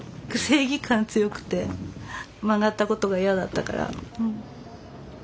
正義感強くて曲がったことが嫌だったから。